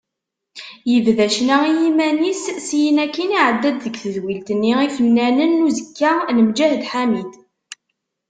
Yebda ccna i yiman-is, syin akkin iɛedda-d deg tedwilt-nni Ifennanen n uzekka n Mǧahed Ḥamid.